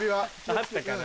あったかな？